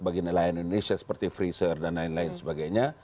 bagi nelayan indonesia seperti freezer dan lain lain sebagainya